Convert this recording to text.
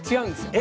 え？